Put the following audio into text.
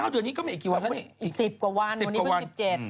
เดี๋ยวนี้ก็มีอีกกี่วันอีก๑๐กว่าวันวันนี้เพิ่ง๑๗